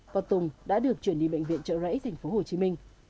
và tùng đã được chuyển đi bệnh viện trợ rẫy tp hcm